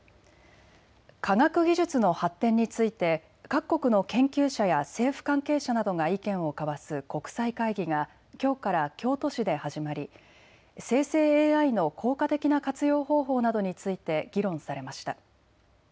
科学技術の発展について各国の研究者や政府関係者などが意見を交わす国際会議がきょうから京都市で始まり生成ＡＩの効果的な活用方法などについて議論されました。